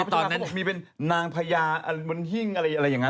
พี่ตอนนั้นพี่ตอนนั้นเขาบอกมีเป็นนางพญามันหิ้งอะไรอย่างนั้น